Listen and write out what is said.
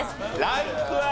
ランクは？